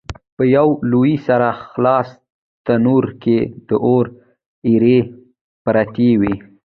په یوه لوی سره خلاص تنور کې د اور ایرې پرتې وې.